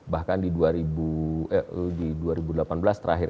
bahkan di dua ribu delapan belas terakhir